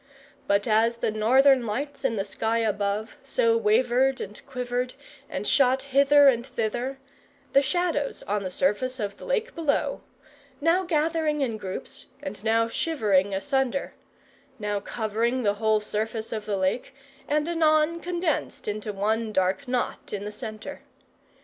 But as the northern lights in the sky above, so wavered and quivered, and shot hither and thither, the Shadows on the surface of the lake below; now gathering in groups, and now shivering asunder; now covering the whole surface of the lake, and anon condensed into one dark knot in the centre.